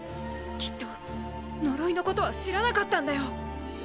きっと呪いのことは知らなかったんだよ。